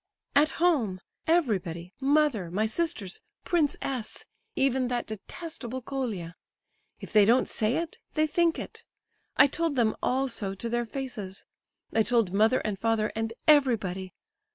"At home, everybody, mother, my sisters, Prince S., even that detestable Colia! If they don't say it, they think it. I told them all so to their faces. I told mother and father and everybody.